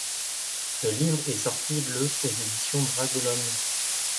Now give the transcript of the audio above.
Le livre est sorti le aux éditions Bragelonne.